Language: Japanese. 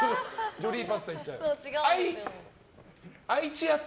ジョリーパスタ行っちゃう。